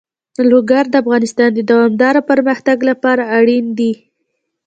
لوگر د افغانستان د دوامداره پرمختګ لپاره اړین دي.